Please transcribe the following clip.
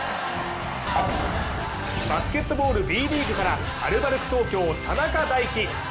バスケットボールＢリーグからアルバルク東京・田中大貴。